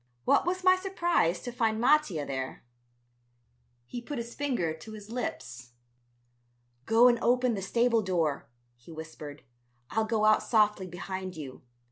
What was my surprise to find Mattia there. He put his finger to his lips. "Go and open the stable door," he whispered, "I'll go out softly behind you.